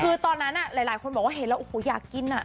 คือตอนนั้นหลายคนบอกว่าเห็นแล้วโอ้โหอยากกิน